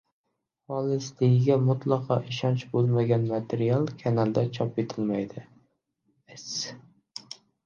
Xolisligiga mutlaqo ishonch boʻlmagan material kanalda chop etilmaydi. S